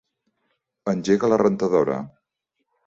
Engega la rentadora.